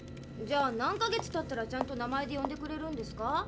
じゃあ何か月たったらちゃんと名前で呼んでくれるんですか？